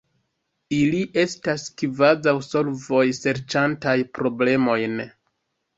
Ili estas kvazaŭ solvoj serĉantaj problemojn.